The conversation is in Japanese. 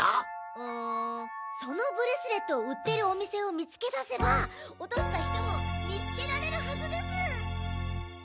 うんそのブレスレットを売ってるお店を見つけ出せば落とした人も見つけられるはずです。